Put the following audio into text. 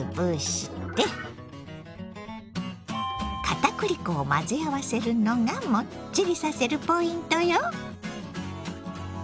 片栗粉を混ぜ合わせるのがもっちりさせるポイントよ。